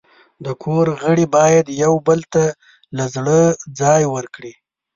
د کور غړي باید یو بل ته له زړه ځای ورکړي.